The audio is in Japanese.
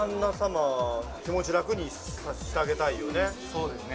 そうですね。